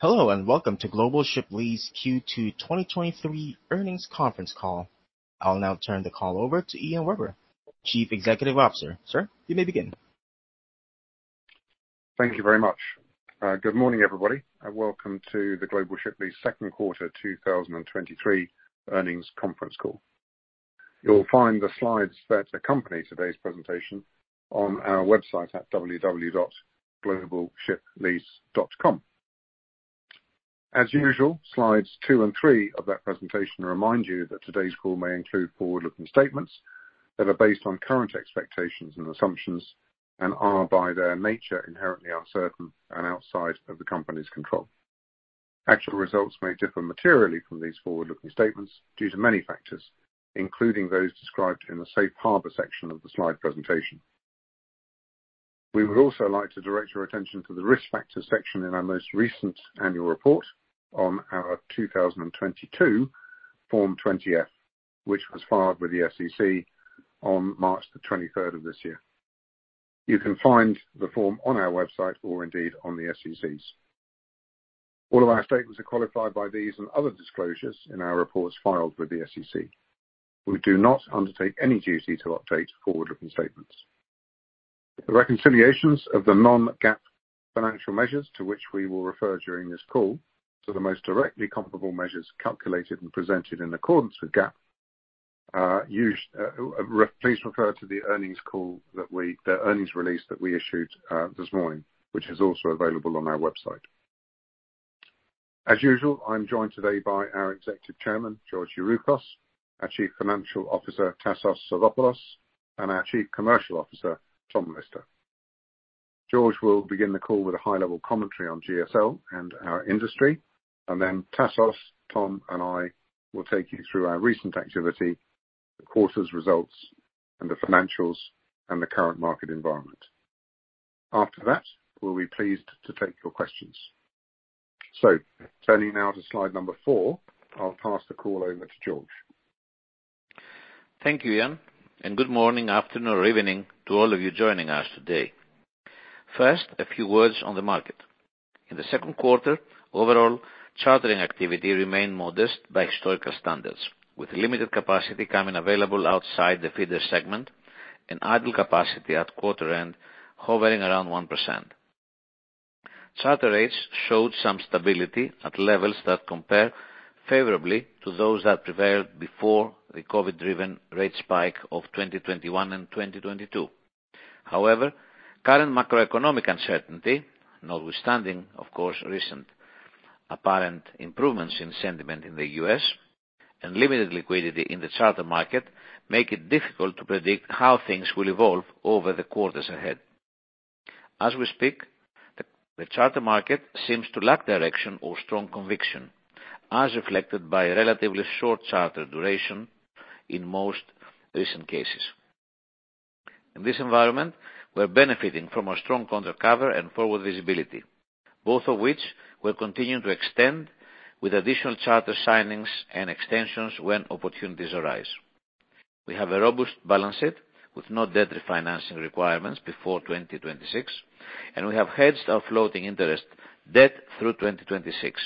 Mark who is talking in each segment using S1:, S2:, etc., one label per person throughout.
S1: Hello, welcome to Global Ship Lease Q2 2023 earnings conference call. I'll now turn the call over to Ian Webber, Chief Executive Officer. Sir, you may begin.
S2: Thank you very much. Good morning, everybody, and welcome to the Global Ship Lease second quarter 2023 earnings conference call. You'll find the slides that accompany today's presentation on our website at www.globalshiplease.com. As usual, slides two and three of that presentation remind you that today's call may include forward-looking statements that are based on current expectations and assumptions, and are, by their nature, inherently uncertain and outside of the company's control. Actual results may differ materially from these forward-looking statements due to many factors, including those described in the Safe Harbor section of the slide presentation. We would also like to direct your attention to the Risk Factors section in our most recent annual report on our 2022 Form 20-F, which was filed with the SEC on March 23rd of this year. You can find the form on our website, or indeed, on the SEC's. All of our statements are qualified by these and other disclosures in our reports filed with the SEC. We do not undertake any duty to update forward-looking statements. The reconciliations of the non-GAAP financial measures, to which we will refer during this call, to the most directly comparable measures calculated and presented in accordance with GAAP, are used... please refer to the earnings call that we-- the earnings release that we issued this morning, which is also available on our website. As usual, I'm joined today by our Executive Chairman, George Youroukos, our Chief Financial Officer, Tasos Sarropoulos, and our Chief Commercial Officer, Tom Lister. George will begin the call with a high-level commentary on GSL and our industry, and then Tasos, Tom, and I will take you through our recent activity, the quarter's results, and the financials, and the current market environment. After that, we'll be pleased to take your questions. Turning now to slide number 4, I'll pass the call over to George.
S3: Thank you, Ian, and good morning, afternoon, or evening to all of you joining us today. First, a few words on the market. In the second quarter, overall chartering activity remained modest by historical standards, with limited capacity coming available outside the feeder segment and idle capacity at quarter end hovering around 1%. Charter rates showed some stability at levels that compare favorably to those that prevailed before the COVID-driven rate spike of 2021 and 2022. However, current macroeconomic uncertainty, notwithstanding, of course, recent apparent improvements in sentiment in the U.S. and limited liquidity in the charter market, make it difficult to predict how things will evolve over the quarters ahead. As we speak, the charter market seems to lack direction or strong conviction, as reflected by a relatively short charter duration in most recent cases. In this environment, we're benefiting from our strong contract cover and forward visibility, both of which we're continuing to extend with additional charter signings and extensions when opportunities arise. We have a robust balance sheet, with no debt refinancing requirements before 2026, and we have hedged our floating interest debt through 2026.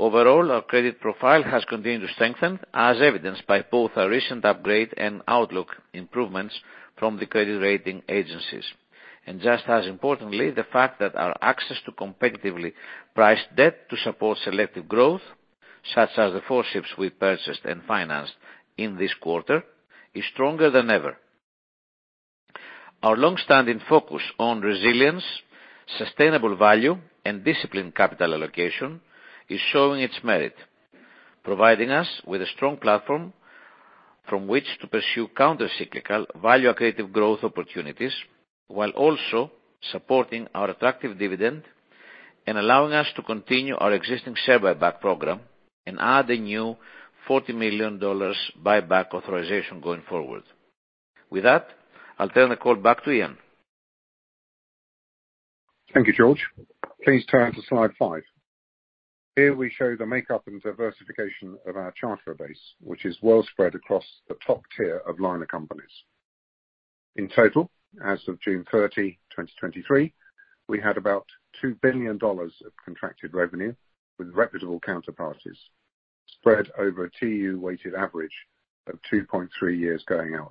S3: Overall, our credit profile has continued to strengthen, as evidenced by both our recent upgrade and outlook improvements from the credit rating agencies. Just as importantly, the fact that our access to competitively priced debt to support selective growth, such as the four ships we purchased and financed in this quarter, is stronger than ever. Our longstanding focus on resilience, sustainable value, and disciplined capital allocation is showing its merit, providing us with a strong platform from which to pursue countercyclical, value-accretive growth opportunities, while also supporting our attractive dividend and allowing us to continue our existing share buyback program and add a new $40 million buyback authorization going forward. With that, I'll turn the call back to Ian.
S2: Thank you, George. Please turn to slide 5. Here we show the makeup and diversification of our charter base, which is well spread across the top tier of liner companies. In total, as of June 30, 2023, we had about $2 billion of contracted revenue with reputable counterparties, spread over a TEU weighted average of 2.3 years going out.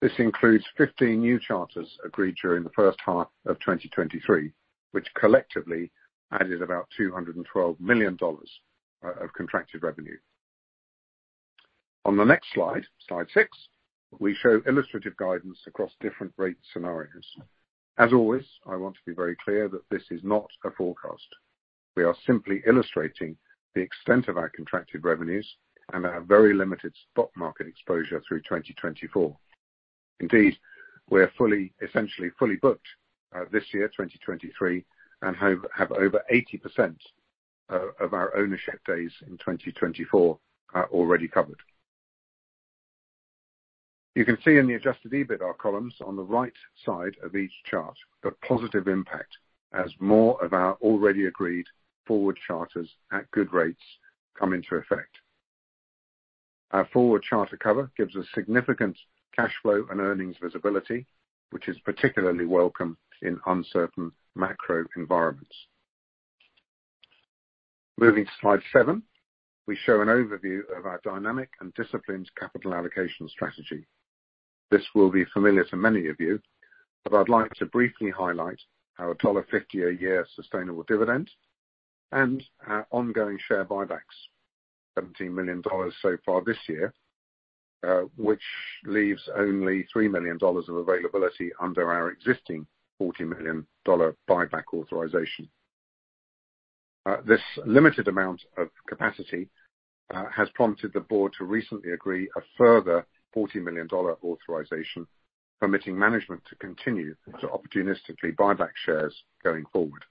S2: This includes 15 new charters agreed during the first half of 2023, which collectively added about $212 million of contracted revenue. On the next slide, slide 6, we show illustrative guidance across different rate scenarios. As always, I want to be very clear that this is not a forecast. We are simply illustrating the extent of our contracted revenues and our very limited stock market exposure through 2024. Indeed, we are fully, essentially fully booked, this year, 2023, and have over 80% of our own ship days in 2024 are already covered. You can see in the Adjusted EBITDA columns on the right side of each chart, the positive impact as more of our already agreed forward charters at good rates come into effect. Our forward charter cover gives us significant cash flow and earnings visibility, which is particularly welcome in uncertain macro environments. Moving to slide seven, we show an overview of our dynamic and disciplined capital allocation strategy. This will be familiar to many of you, but I'd like to briefly highlight our $1.50 a year sustainable dividend and our ongoing share buybacks. $17 million so far this year, which leaves only $3 million of availability under our existing $40 million buyback authorization. This limited amount of capacity has prompted the board to recently agree a further $40 million authorization, permitting management to continue to opportunistically buy back shares going forward.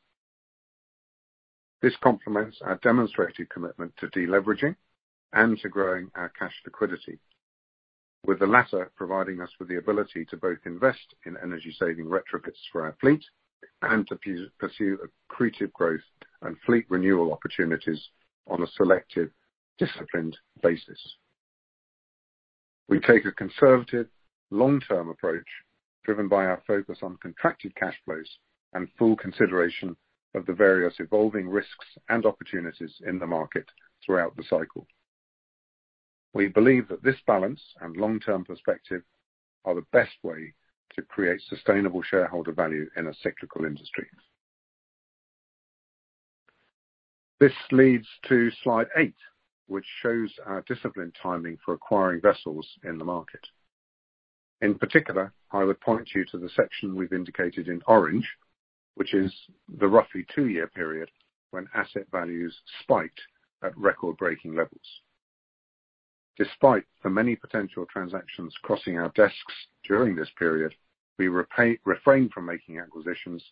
S2: This complements our demonstrated commitment to deleveraging and to growing our cash liquidity, with the latter providing us with the ability to both invest in energy-saving retrofits for our fleet and to pursue accretive growth and fleet renewal opportunities on a selective, disciplined basis. We take a conservative, long-term approach, driven by our focus on contracted cash flows and full consideration of the various evolving risks and opportunities in the market throughout the cycle. We believe that this balance and long-term perspective are the best way to create sustainable shareholder value in a cyclical industry. This leads to slide 8, which shows our disciplined timing for acquiring vessels in the market. In particular, I would point you to the section we've indicated in orange, which is the roughly two-year period when asset values spiked at record-breaking levels. Despite the many potential transactions crossing our desks during this period, we refrained from making acquisitions,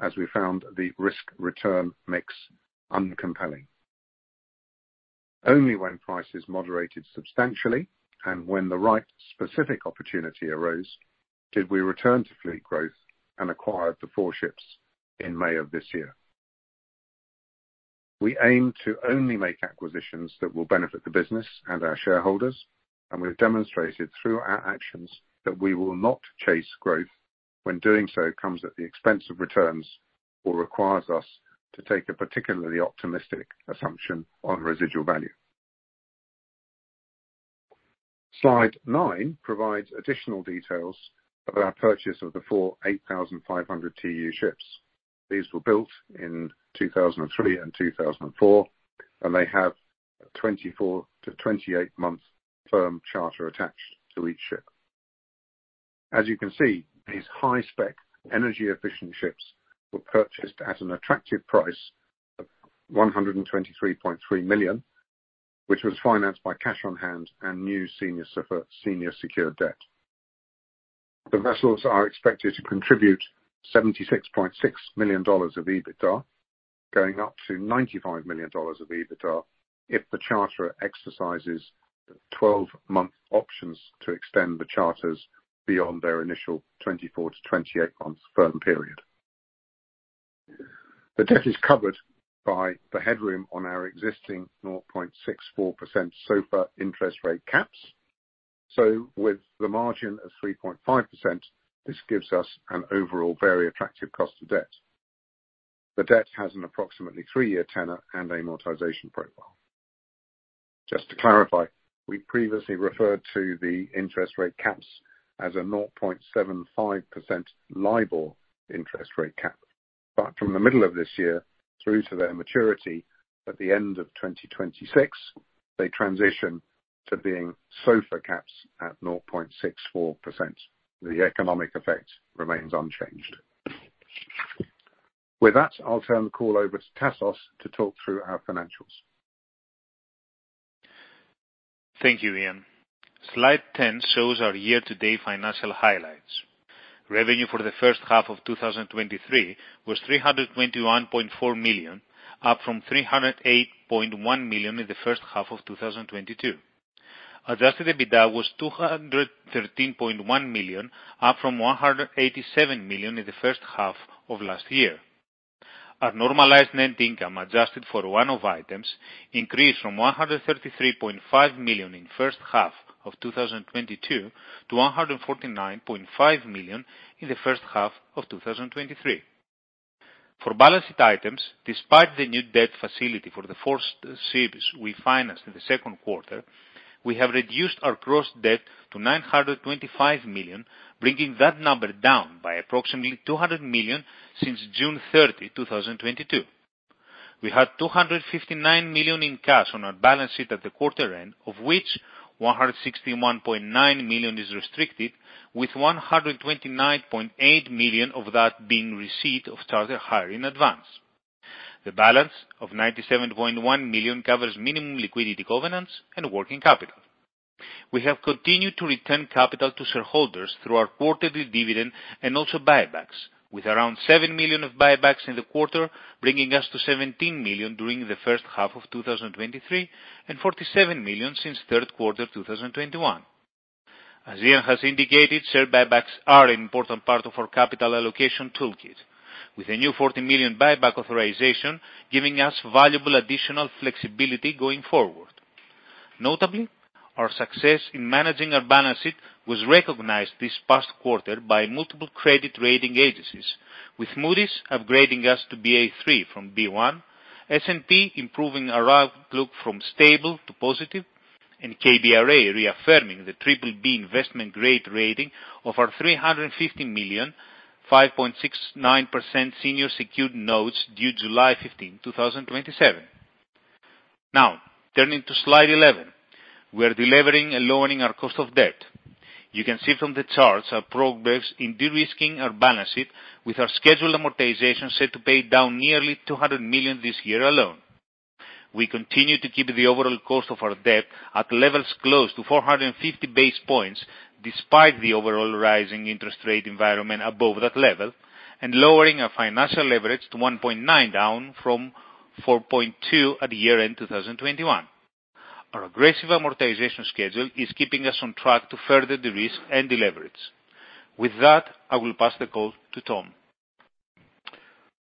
S2: as we found the risk-return mix uncompelling. Only when prices moderated substantially, and when the right specific opportunity arose, did we return to fleet growth and acquired the four ships in May of this year. We aim to only make acquisitions that will benefit the business and our shareholders, and we've demonstrated through our actions that we will not chase growth when doing so comes at the expense of returns, or requires us to take a particularly optimistic assumption on residual value. Slide nine provides additional details of our purchase of the four 8,500 TEU ships. These were built in 2003 and 2004, and they have a 24-28 month firm charter attached to each ship. As you can see, these high-spec, energy-efficient ships were purchased at an attractive price of $123.3 million, which was financed by cash on hand and new senior SOFR senior secured debt. The vessels are expected to contribute $76.6 million of EBITDA, going up to $95 million of EBITDA if the charterer exercises the 12-month options to extend the charters beyond their initial 24-28 month firm period. The debt is covered by the headroom on our existing 0.64% SOFR interest rate caps. With the margin of 3.5%, this gives us an overall very attractive cost of debt. The debt has an approximately 3-year tenor and amortization profile. Just to clarify, we previously referred to the interest rate caps as a 0.75% LIBOR interest rate cap, but from the middle of this year through to their maturity at the end of 2026, they transition to being SOFR caps at 0.64%. The economic effect remains unchanged. With that, I'll turn the call over to Tasos to talk through our financials.
S4: Thank you, Ian. Slide 10 shows our year-to-date financial highlights. Revenue for the first half of 2023 was $321.4 million, up from $308.1 million in the first half of 2022. Adjusted EBITDA was $213.1 million, up from $187 million in the first half of last year. Our normalized net income, adjusted for one-off items, increased from $133.5 million in first half of 2022 to $149.5 million in the first half of 2023. For balance sheet items, despite the new debt facility for the 4 ships we financed in the second quarter, we have reduced our gross debt to $925 million, bringing that number down by approximately $200 million since June 30, 2022. We had $259 million in cash on our balance sheet at the quarter end, of which $161.9 million is restricted, with $129.8 million of that being receipt of charter hire in advance. The balance of $97.1 million covers minimum liquidity covenants and working capital. We have continued to return capital to shareholders through our quarterly dividend and also buybacks, with around $7 million of buybacks in the quarter, bringing us to $17 million during the first half of 2023, and $47 million since third quarter 2021. As Ian has indicated, share buybacks are an important part of our capital allocation toolkit, with a new $40 million buyback authorization giving us valuable additional flexibility going forward. Notably, our success in managing our balance sheet was recognized this past quarter by multiple credit rating agencies, with Moody's upgrading us to Ba3 from B1, S&P improving our outlook from stable to positive, and KBRA reaffirming the BBB investment grade rating of our $350 million, 5.69% senior secured notes due July 15, 2027. Turning to slide 11. We are deleveraging and lowering our cost of debt. You can see from the charts our progress in de-risking our balance sheet, with our scheduled amortization set to pay down nearly $200 million this year alone. We continue to keep the overall cost of our debt at levels close to 450 basis points, despite the overall rising interest rate environment above that level, and lowering our financial leverage to 1.9, down from 4.2 at the year end, 2021. Our aggressive amortization schedule is keeping us on track to further de-risk and deleverage. With that, I will pass the call to Tom.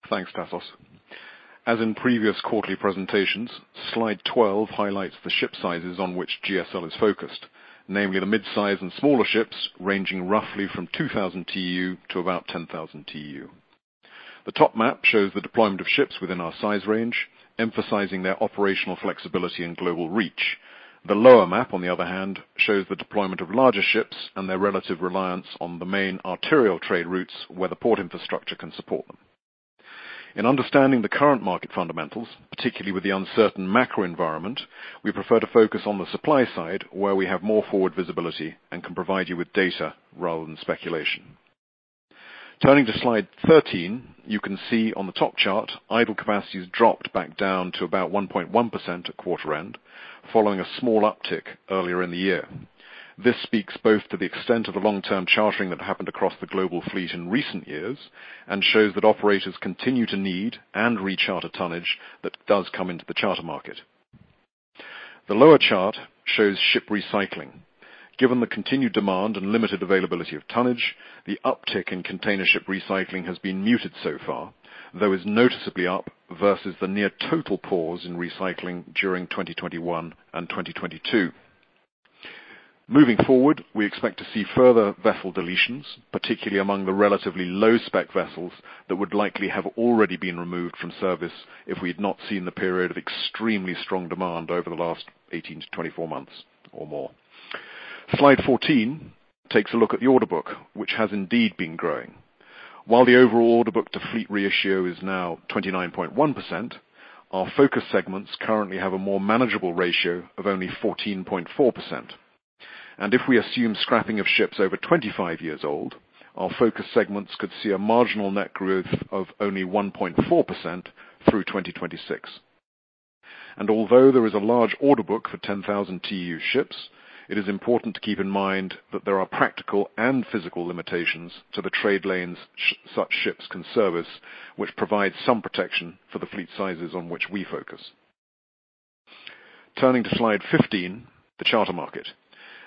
S5: Thanks, Tasos. As in previous quarterly presentations, slide 12 highlights the ship sizes on which GSL is focused, namely the mid-size and smaller ships, ranging roughly from 2,000 TEU to about 10,000 TEU. The top map shows the deployment of ships within our size range, emphasizing their operational flexibility and global reach. The lower map, on the other hand, shows the deployment of larger ships and their relative reliance on the main arterial trade routes, where the port infrastructure can support them. In understanding the current market fundamentals, particularly with the uncertain macro environment, we prefer to focus on the supply side, where we have more forward visibility and can provide you with data rather than speculation. Turning to slide 13, you can see on the top chart, idle capacity has dropped back down to about 1.1% at quarter end, following a small uptick earlier in the year. This speaks both to the extent of the long-term chartering that happened across the global fleet in recent years, and shows that operators continue to need and recharter tonnage that does come into the charter market. The lower chart shows ship recycling. Given the continued demand and limited availability of tonnage, the uptick in container ship recycling has been muted so far, though is noticeably up versus the near total pause in recycling during 2021 and 2022. Moving forward, we expect to see further vessel deletions, particularly among the relatively low-spec vessels, that would likely have already been removed from service if we had not seen the period of extremely strong demand over the last 18-24 months or more. Slide 14 takes a look at the order book, which has indeed been growing. While the overall order book to fleet ratio is now 29.1%, our focus segments currently have a more manageable ratio of only 14.4%. If we assume scrapping of ships over 25 years old, our focus segments could see a marginal net growth of only 1.4% through 2026. Although there is a large order book for 10,000 TEU ships, it is important to keep in mind that there are practical and physical limitations to the trade lanes such ships can service, which provides some protection for the fleet sizes on which we focus. Turning to slide 15, the charter market.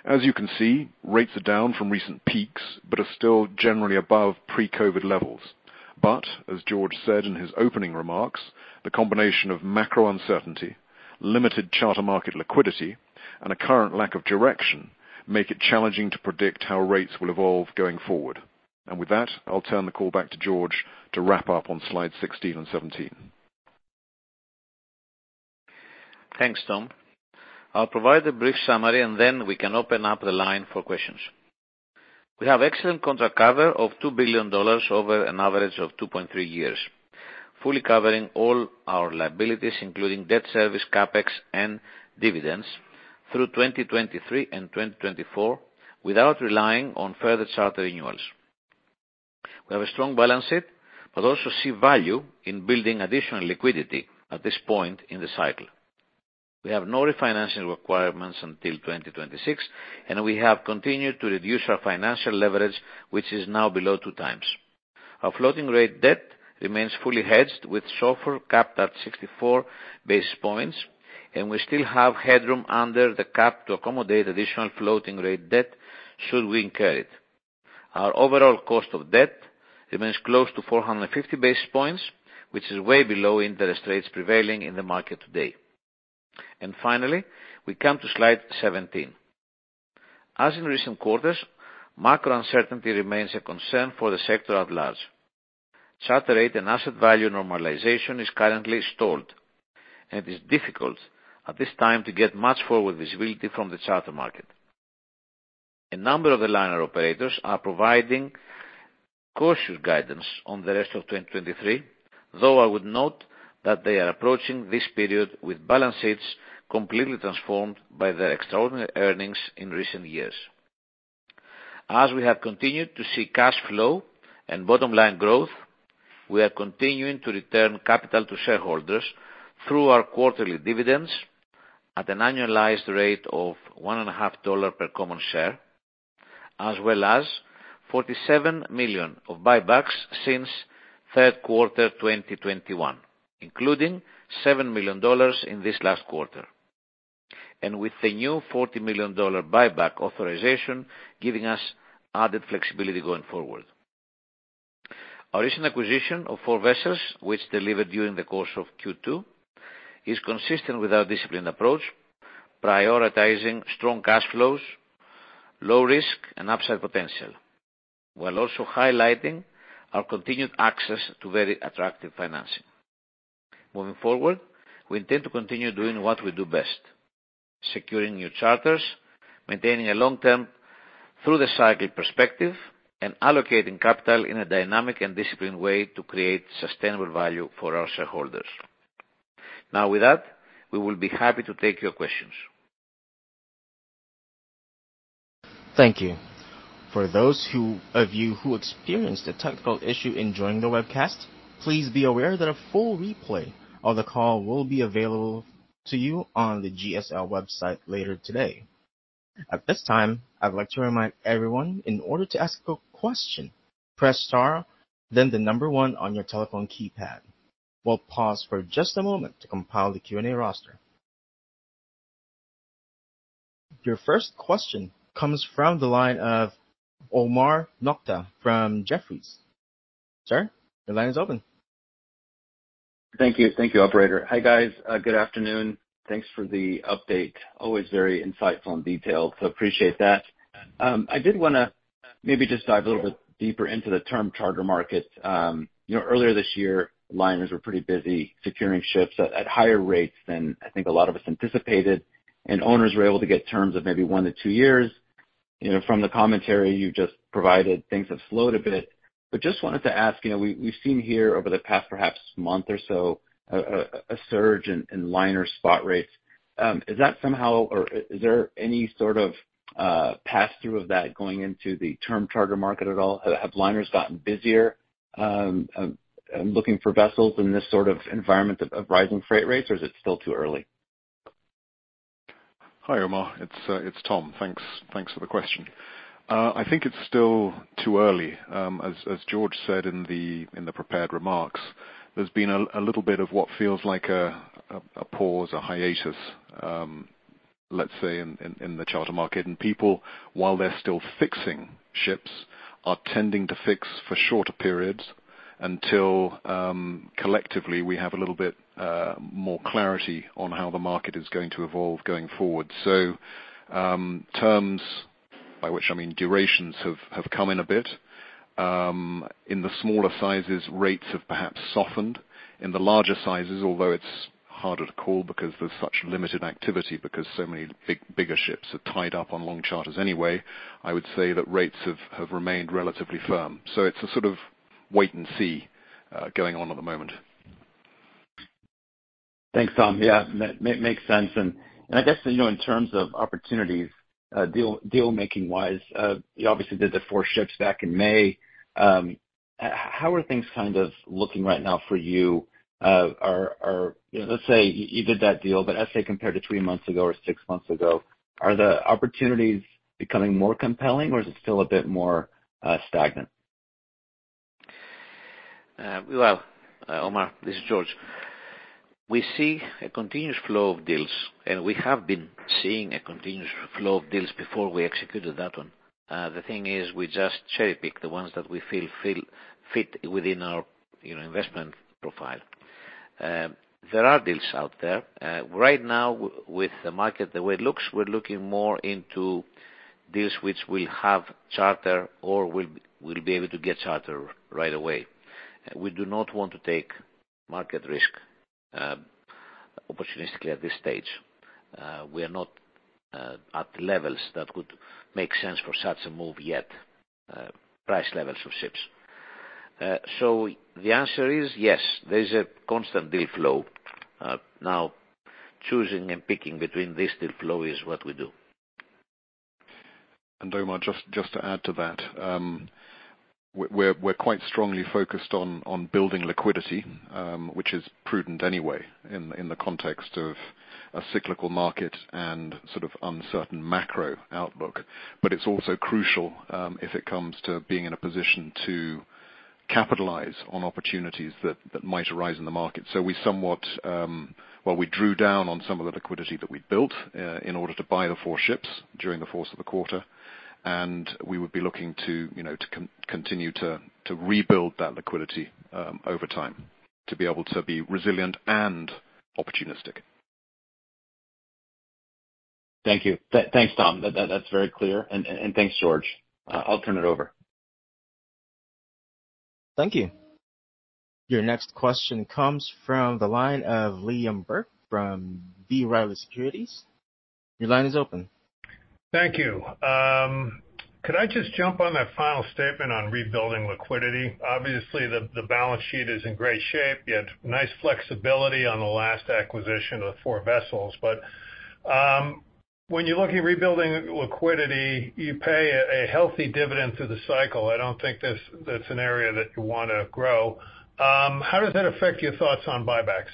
S5: As you can see, rates are down from recent peaks, but are still generally above pre-COVID levels. As George said in his opening remarks, the combination of macro uncertainty, limited charter market liquidity, and a current lack of direction make it challenging to predict how rates will evolve going forward. With that, I'll turn the call back to George to wrap up on slide 16 and 17.
S3: Thanks, Tom. I'll provide a brief summary, and then we can open up the line for questions. We have excellent contract cover of $2 billion over an average of 2.3 years, fully covering all our liabilities, including debt service, CapEx, and dividends, through 2023 and 2024, without relying on further charter renewals. We have a strong balance sheet, also see value in building additional liquidity at this point in the cycle. We have no refinancing requirements until 2026, and we have continued to reduce our financial leverage, which is now below 2 times. Our floating rate debt remains fully hedged, with SOFR capped at 64 basis points, and we still have headroom under the cap to accommodate additional floating rate debt should we incur it. Our overall cost of debt remains close to 450 basis points, which is way below interest rates prevailing in the market today. Finally, we come to slide 17. As in recent quarters, macro uncertainty remains a concern for the sector at large. Charter rate and asset value normalization is currently stalled, and it is difficult at this time to get much forward visibility from the charter market. A number of the liner operators are providing cautious guidance on the rest of 2023, though I would note that they are approaching this period with balance sheets completely transformed by their extraordinary earnings in recent years. As we have continued to see cash flow and bottom line growth, we are continuing to return capital to shareholders through our quarterly dividends at an annualized rate of $1.50 per common share, as well as-... $47 million of buybacks since third quarter 2021, including $7 million in this last quarter, and with the new $40 million buyback authorization, giving us added flexibility going forward. Our recent acquisition of four vessels, which delivered during the course of Q2, is consistent with our disciplined approach, prioritizing strong cash flows, low risk, and upside potential, while also highlighting our continued access to very attractive financing. Moving forward, we intend to continue doing what we do best, securing new charters, maintaining a long-term through the cycle perspective, and allocating capital in a dynamic and disciplined way to create sustainable value for our shareholders. Now, with that, we will be happy to take your questions.
S1: Thank you. For those of you who experienced a technical issue in joining the webcast, please be aware that a full replay of the call will be available to you on the GSL website later today. At this time, I'd like to remind everyone, in order to ask a question, press star, then 1 on your telephone keypad. We'll pause for just a moment to compile the Q&A roster. Your first question comes from the line of Omar Nokta from Jefferies. Sir, your line is open.
S6: Thank you. Thank you, operator. Hi, guys. Good afternoon. Thanks for the update. Always very insightful and detailed, so appreciate that. I did wanna maybe just dive a little bit deeper into the term charter market. You know, earlier this year, liners were pretty busy securing ships at, at higher rates than I think a lot of us anticipated, and owners were able to get terms of maybe one to two years. You know, from the commentary you've just provided, things have slowed a bit. Just wanted to ask, you know, we, we've seen here over the past perhaps month or so, a, a, a surge in, in liner spot rates. Is that somehow or is, is there any sort of pass-through of that going into the term charter market at all? Have, have liners gotten busier, looking for vessels in this sort of environment of, of rising freight rates, or is it still too early?
S5: Hi, Omar. It's, it's Tom. Thanks, thanks for the question. I think it's still too early. As, as George said in the prepared remarks, there's been a little bit of what feels like a pause, a hiatus, let's say, in the charter market. People, while they're still fixing ships, are tending to fix for shorter periods until, collectively, we have a little bit more clarity on how the market is going to evolve going forward. Terms, by which I mean durations, have, have come in a bit. In the smaller sizes, rates have perhaps softened. In the larger sizes, although it's harder to call because there's such limited activity, because so many big, bigger ships are tied up on long charters anyway, I would say that rates have, have remained relatively firm. It's a sort of wait and see, going on at the moment.
S6: Thanks, Tom. Yeah, makes sense. I guess, you know, in terms of opportunities, deal-making wise, you obviously did the four ships back in May. How are things kind of looking right now for you? Are, you know, let's say, you did that deal, but let's say compared to three months ago or six months ago, are the opportunities becoming more compelling, or is it still a bit more stagnant?
S3: Well, Omar, this is George. We see a continuous flow of deals, and we have been seeing a continuous flow of deals before we executed that one. The thing is, we just cherry-pick the ones that we feel, feel fit within our, you know, investment profile. There are deals out there. Right now, with the market, the way it looks, we're looking more into deals which will have charter or will, will be able to get charter right away. We do not want to take market risk, opportunistically at this stage. We are not at levels that would make sense for such a move yet, price levels of ships. The answer is yes, there is a constant deal flow. Now, choosing and picking between this deal flow is what we do.
S5: Omar, just, just to add to that, we're, we're quite strongly focused on, on building liquidity, which is prudent anyway in, in the context of a cyclical market and sort of uncertain macro outlook. It's also crucial, if it comes to being in a position to capitalize on opportunities that, that might arise in the market. We somewhat... Well, we drew down on some of the liquidity that we built, in order to buy the four ships during the course of the quarter, and we would be looking to, you know, to continue to, to rebuild that liquidity, over time, to be able to be resilient and opportunistic.
S6: Thank you. thanks, Tom. that's very clear, and, and thanks, George. I'll turn it over.
S1: Thank you. Your next question comes from the line of Liam Burke from B. Riley Securities. Your line is open.
S7: Thank you. Could I just jump on that final statement on rebuilding liquidity? Obviously, the balance sheet is in great shape. You had nice flexibility on the last acquisition of four vessels, but, when you're looking at rebuilding liquidity, you pay a healthy dividend through the cycle. I don't think that's an area that you want to grow. How does that affect your thoughts on buybacks?...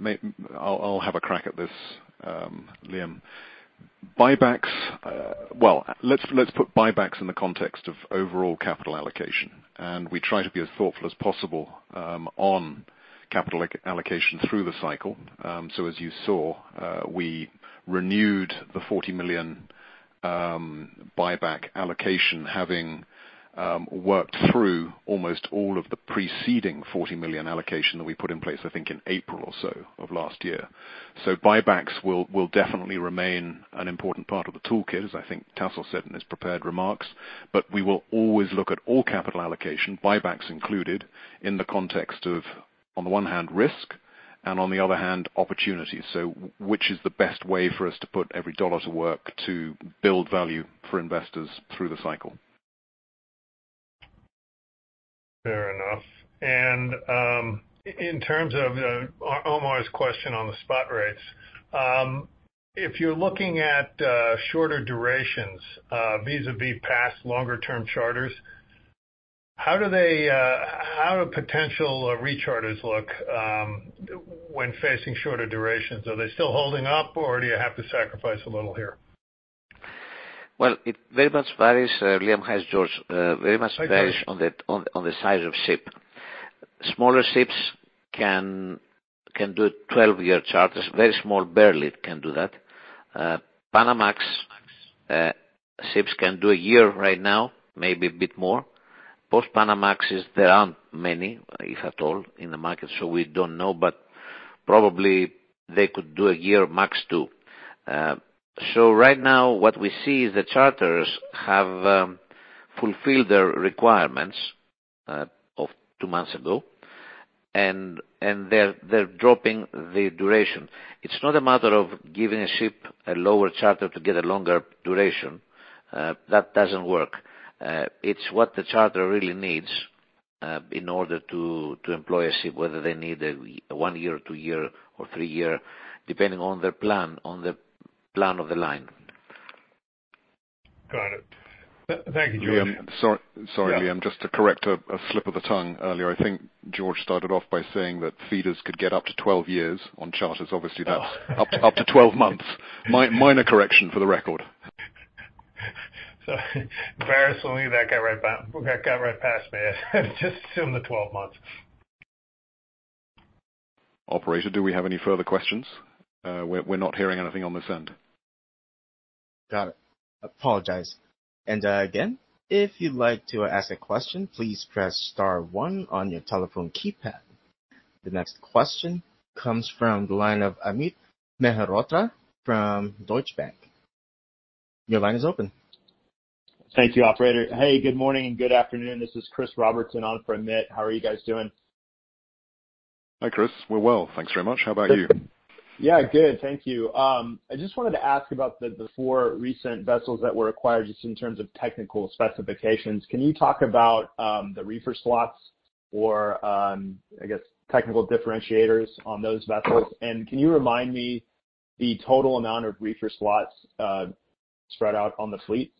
S5: may, I'll, I'll have a crack at this, Liam. Buybacks, well, let's, let's put buybacks in the context of overall capital allocation, and we try to be as thoughtful as possible, on capital allocation through the cycle. As you saw, we renewed the $40 million buyback allocation, having worked through almost all of the preceding $40 million allocation that we put in place, I think, in April or so of last year. Buybacks will, will definitely remain an important part of the toolkit, as I think Tasos said in his prepared remarks. We will always look at all capital allocation, buybacks included, in the context of, on the one hand, risk, and on the other hand, opportunities. which is the best way for us to put every dollar to work to build value for investors through the cycle?
S7: Fair enough. In terms of Omar's question on the spot rates, if you're looking at shorter durations vis-à-vis past longer term charters, how do potential recharters look when facing shorter durations? Are they still holding up, or do you have to sacrifice a little here?
S3: Well, it very much varies, Liam. Hi, it's George.
S7: Hi, George.
S3: Very much varies on the size of ship. Smaller ships can do 12-year charters. Very small, barely can do that. Panamax ships can do 1 year right now, maybe a bit more. Post-Panamax, there aren't many, if at all, in the market, so we don't know, but probably they could do 1 year, max 2. Right now, what we see is the charters have fulfilled their requirements of 2 months ago, and they're dropping the duration. It's not a matter of giving a ship a lower charter to get a longer duration. That doesn't work. It's what the charter really needs in order to employ a ship, whether they need a 1 year, 2 year, or 3 year, depending on their plan, on the plan of the line.
S7: Got it. Thank you, George.
S5: Sorry, sorry, Liam. Just to correct a, a slip of the tongue earlier, I think George started off by saying that feeders could get up to 12 years on charters. Obviously, that's up to 12 months. Minor correction for the record.
S7: Embarrassingly, that got right past me. Just assume the 12 months.
S5: Operator, do we have any further questions? We're not hearing anything on this end.
S1: Got it. Apologize. Again, if you'd like to ask a question, please press star one on your telephone keypad. The next question comes from the line of Amit Mehrotra from Deutsche Bank. Your line is open.
S8: Thank you, operator. Hey, good morning and good afternoon. This is Christopher Robertson on for Amit. How are you guys doing?
S5: Hi, Chris. We're well, thanks very much. How about you?
S8: Yeah, good. Thank you. I just wanted to ask about the 4 recent vessels that were acquired, just in terms of technical specifications. Can you talk about the reefer slots or, I guess, technical differentiators on those vessels? Can you remind me the total amount of reefer slots spread out on the fleet?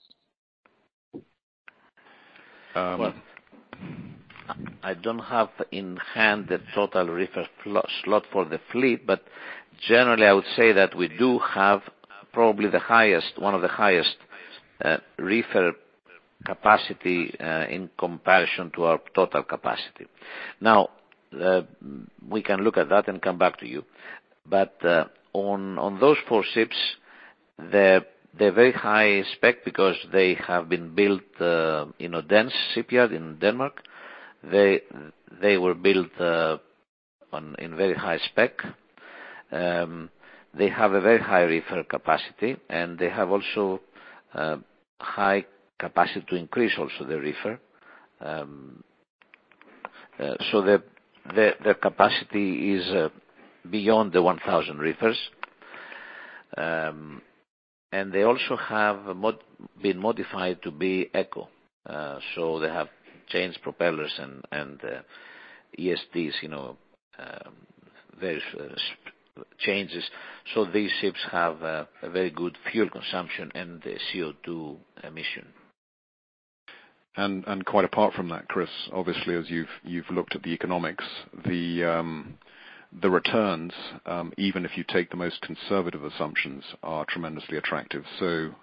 S3: I don't have in hand the total reefer slot for the fleet, but generally, I would say that we do have probably the highest, one of the highest, reefer capacity in comparison to our total capacity. We can look at that and come back to you. On, on those 4 ships, they're, they're very high spec because they have been built in Odense Shipyard in Denmark. They, they were built in very high spec. They have a very high reefer capacity, and they have also high capacity to increase also the reefer. The, the, the capacity is beyond the 1,000 reefers. They also have been modified to be eco. They have changed propellers and, and ESTs, you know, various changes. These ships have a very good fuel consumption and CO2 emission.
S5: Quite apart from that, Chris, obviously, as you've, you've looked at the economics, the returns, even if you take the most conservative assumptions, are tremendously attractive.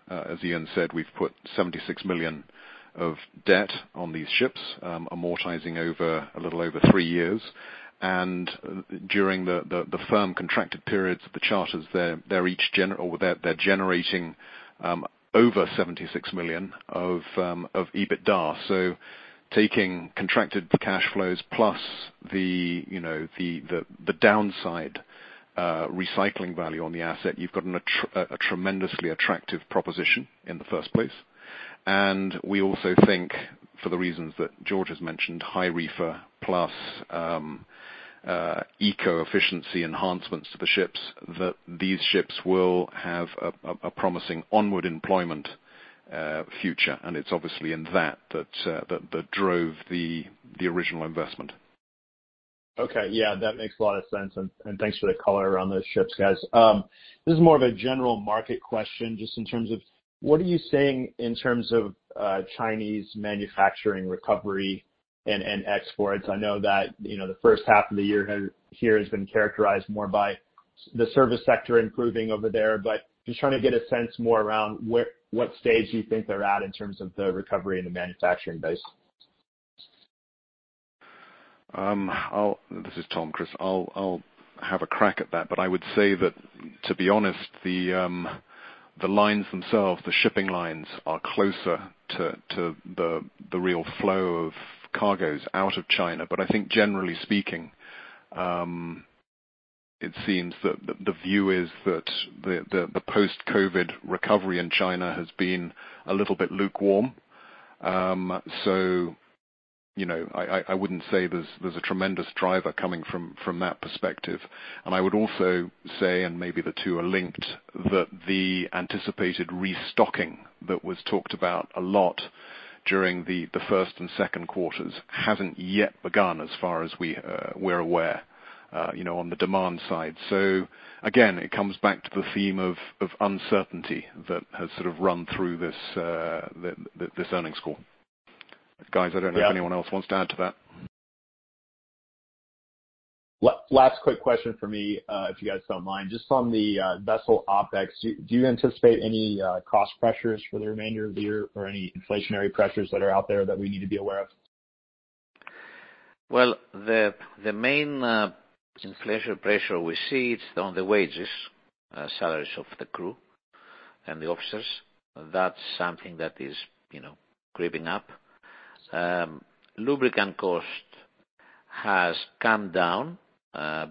S5: As Ian said, we've put $76 million of debt on these ships, amortizing over a little over three years. During the, the, the firm contracted periods of the charters, they're, they're each or they're, they're generating over $76 million of EBITDA. Taking contracted cash flows plus the, you know, the, the, the downside, recycling value on the asset, you've got a tremendously attractive proposition in the first place. We also think, for the reasons that George has mentioned, high reefer, plus, eco-efficiency enhancements to the ships, that these ships will have a promising onward employment future. It's obviously in that, that, that, that drove the, the original investment.
S8: Okay. Yeah, that makes a lot of sense, and, and thanks for the color on those ships, guys. This is more of a general market question, just in terms of: what are you seeing in terms of Chinese manufacturing recovery and exports? I know that, you know, the first half of the year here has been characterized more by the service sector improving over there, but just trying to get a sense more around what stage you think they're at in terms of the recovery in the manufacturing base.
S5: This is Tom, Chris. I'll, I'll have a crack at that. I would say that, to be honest, the lines themselves, the shipping lines, are closer to the real flow of cargoes out of China. I think generally speaking, it seems that the view is that the post-COVID recovery in China has been a little bit lukewarm. You know, I, I, I wouldn't say there's, there's a tremendous driver coming from that perspective. I would also say, and maybe the two are linked, that the anticipated restocking that was talked about a lot during the first and second quarters, hasn't yet begun, as far as we're aware, you know, on the demand side. Again, it comes back to the theme of, of uncertainty that has sort of run through this, this earnings call. Guys, I don't know if anyone else wants to add to that.
S8: Last quick question for me, if you guys don't mind. Just on the vessel OpEx, do you anticipate any cost pressures for the remainder of the year, or any inflationary pressures that are out there that we need to be aware of?
S3: Well, the main inflation pressure we see, it's on the wages, salaries of the crew and the officers. That's something that is, you know, creeping up. Lubricant cost has come down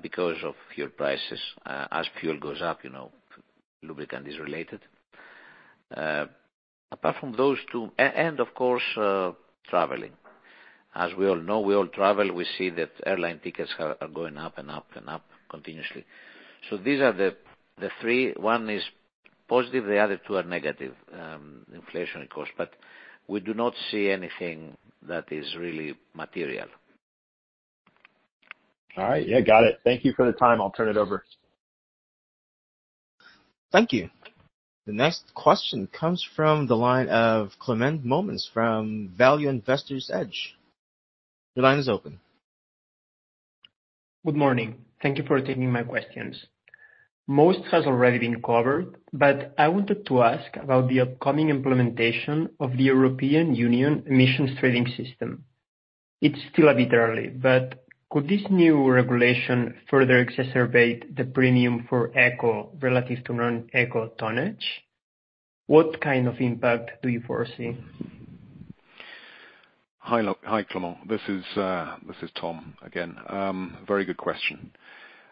S3: because of fuel prices. As fuel goes up, you know, lubricant is related. Apart from those two. Of course, traveling. As we all know, we all travel, we see that airline tickets are going up and up and up continuously. These are the three. One is positive, the other two are negative, inflationary costs. We do not see anything that is really material.
S8: All right. Yeah, got it. Thank you for the time. I'll turn it over.
S1: Thank you. The next question comes from the line of Climent Molins from Value Investor's Edge. Your line is open.
S9: Good morning. Thank you for taking my questions. Most has already been covered, but I wanted to ask about the upcoming implementation of the European Union Emissions Trading System. It's still a bit early, but could this new regulation further exacerbate the premium for eco relative to non-eco tonnage? What kind of impact do you foresee?
S5: Hi, hi, Climent. This is, this is Tom again. Very good question.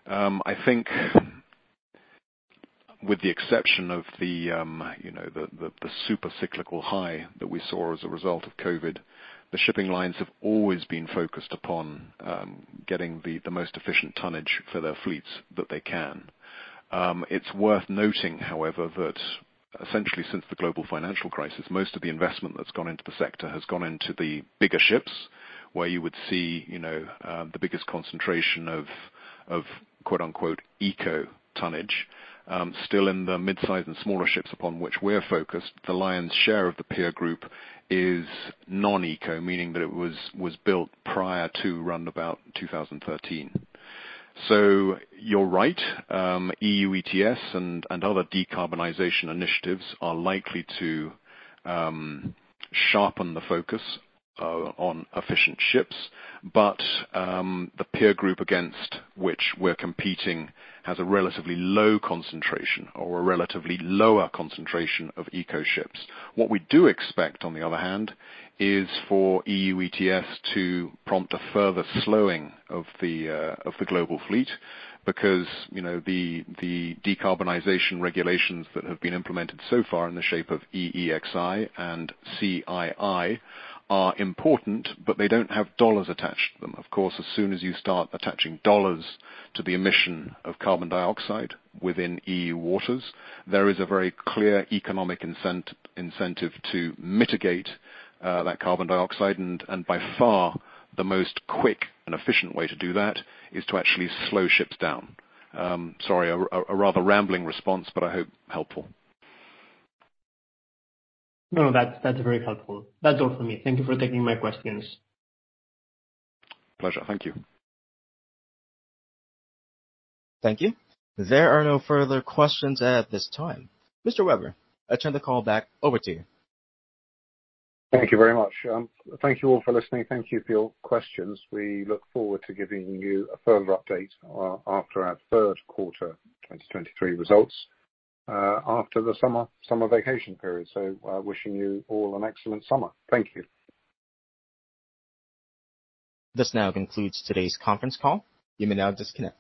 S5: I think with the exception of the, you know, the, the, the super cyclical high that we saw as a result of COVID, the shipping lines have always been focused upon getting the, the most efficient tonnage for their fleets that they can. It's worth noting, however, that essentially since the global financial crisis, most of the investment that's gone into the sector has gone into the bigger ships, where you would see, you know, the biggest concentration of, of quote, unquote, eco tonnage. Still in the mid-size and smaller ships upon which we're focused, the lion's share of the peer group is non-eco, meaning that it was built prior to around about 2013. You're right, EU ETS and, and other decarbonization initiatives are likely to sharpen the focus on efficient ships, but the peer group against which we're competing has a relatively low concentration or a relatively lower concentration of eco ships. What we do expect, on the other hand, is for EU ETS to prompt a further slowing of the global fleet, because, you know, the decarbonization regulations that have been implemented so far in the shape of EEXI and CII are important, but they don't have dollars attached to them. Of course, as soon as you start attaching dollars to the emission of carbon dioxide within EU waters, there is a very clear economic incentive to mitigate that carbon dioxide. By far, the most quick and efficient way to do that, is to actually slow ships down. Sorry, rather rambling response, but I hope, helpful.
S9: No, that's, that's very helpful. That's all for me. Thank you for taking my questions.
S5: Pleasure. Thank you.
S1: Thank you. There are no further questions at this time. Mr. Webber, I turn the call back over to you.
S2: Thank you very much. Thank you all for listening. Thank you for your questions. We look forward to giving you a further update after our third quarter 2023 results after the summer, summer vacation period. Wishing you all an excellent summer. Thank you.
S1: This now concludes today's conference call. You may now disconnect.